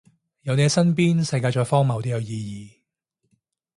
有你喺身邊，世界再荒謬都有意義